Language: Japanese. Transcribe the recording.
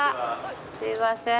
すいません。